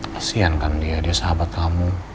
kasian kan dia dia sahabat kamu